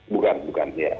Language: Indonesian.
bukan bukan ya